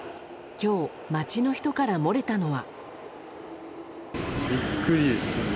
今日、街の人から漏れたのは。